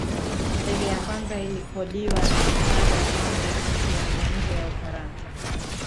ndege ya kwanza iliyokodiwa na wizara ya mambo ya nchi za nje ya ufaransa